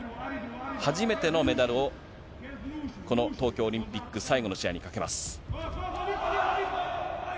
初めてのメダルをこの東京オリンピック最後の試合にかけます。